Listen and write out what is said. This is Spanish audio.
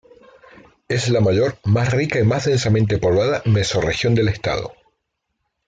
Es la mayor, más rica y más densamente poblada mesorregión del estado.